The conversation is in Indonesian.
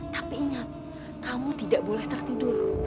tapi ingat kamu tidak boleh tertidur